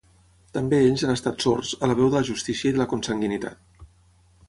També ells han estat sords a la veu de la justícia i de la consanguinitat.